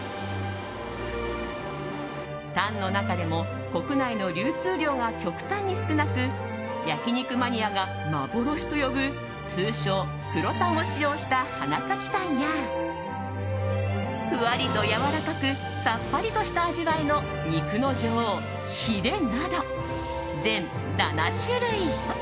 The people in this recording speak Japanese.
タンの中でも国内の流通量が極端に少なく焼き肉マニアが幻と呼ぶ通称黒タンを使用した花咲タンやふわりとやわらかくさっぱりとした味わいの肉の女王ヒレなど、全７種類。